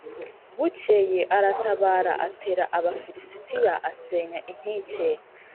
Bukeye aratabara atera abafilisitiya asenya inkike